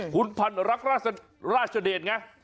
คุณพันธ์รักราชเดชไง